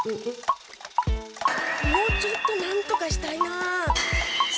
もうちょっとなんとかしたいな。